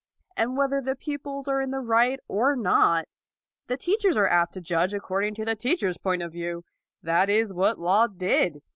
And whether the pupils are in the right or not, the teachers are apt to judge according to the teachers' point of view. That is what Laud did.